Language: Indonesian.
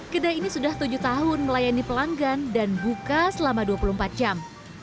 kedai ini sudah tujuh tahun melayani pelanggan dan buka selama dua puluh empat jam